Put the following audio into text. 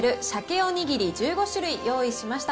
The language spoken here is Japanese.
お握り１５種類用意しました。